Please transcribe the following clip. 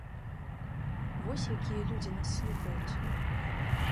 Вось якія людзі нас слухаюць!